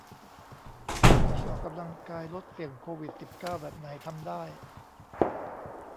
วิธีออกกำลังกายลดเสี่ยงโควิด สิบเก้า แบบไหนทำได้